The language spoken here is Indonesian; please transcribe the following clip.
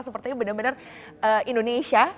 sepertinya benar benar indonesia